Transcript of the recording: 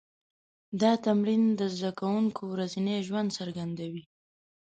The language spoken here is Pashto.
دا تمرین د زده کوونکو ورځنی ژوند څرګندوي.